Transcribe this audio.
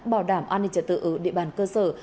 bảo đảm an ninh trật tự ở địa bàn cơ sở